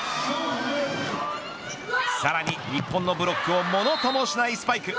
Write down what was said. さらに、日本のブロックをものともしないスパイク。